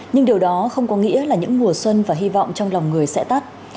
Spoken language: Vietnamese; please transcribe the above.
nhưng điều đó không có nghĩa là những mùa xuân và hy vọng trong lòng người sẽ tắt